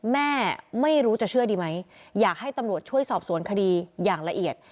แม่ไม่รู้จะเชื่อดีไหมอยากให้ตำรวจช่วยสอบสวนคดีอย่างละเอียด